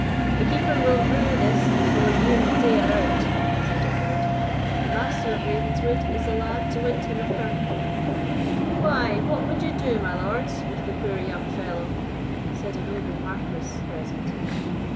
"The Keeper will rue this before year and day are out," said a third; "the Master of Ravenswood is the lad to wind him a pirn." "Why, what would you do, my lords, with the poor young fellow?" said a noble Marquis present.